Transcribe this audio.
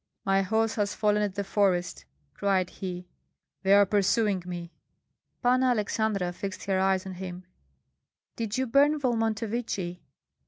"My horse has fallen at the forest," cried he; "they are pursuing me!" Panna Aleksandra fixed her eyes on him: "Did you burn Volmontovichi?"